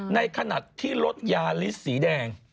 ในขณะที่รถยาลิสสีแดง